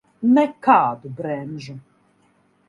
Nekādu bremžu.